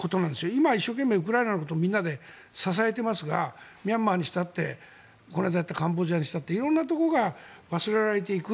今、一生懸命ウクライナのことみんなで支えていますがミャンマーにしたってこの間やったカンボジアにしたって色んなところが忘れられていく。